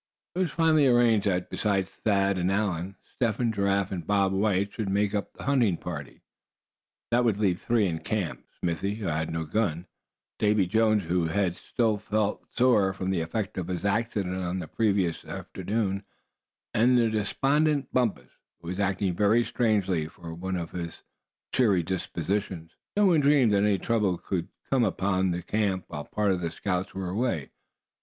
It was finally arranged that besides Thad and Allan, Step Hen, Giraffe and Bob White should make up the hunting party. This would leave three in camp Smithy who had no gun, Davy Jones, whose head still felt sore from the effect of his accident on the previous afternoon; and the despondent Bumpus, who was acting very strangely, for one of his cheery disposition. No one dreamed that any trouble could come upon the camp while part of the scouts were away.